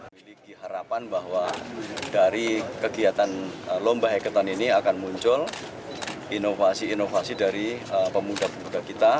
memiliki harapan bahwa dari kegiatan lomba hacketon ini akan muncul inovasi inovasi dari pemuda pemuda kita